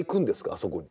あそこに。